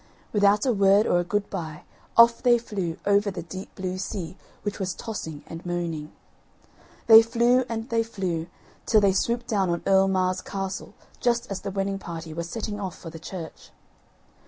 Without a word or a good bye off they flew over the deep blue sea which was tossing and moaning. They flew and they flew till they swooped down on Earl Mar's castle just as the wedding party were setting out for the church.